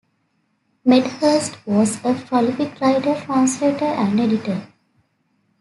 Medhurst was a prolific writer, translator, and editor.